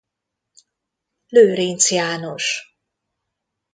Lőrincz János.